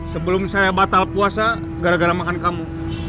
sebelum saya batal puasa gara gara makan kamu